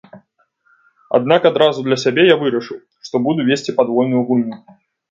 Аднак адразу для сябе я вырашыў, што буду весці падвойную гульню.